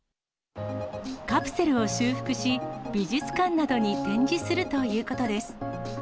カプセルを修復し、美術館などに展示するということです。